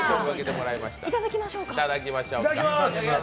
いただきましょうか。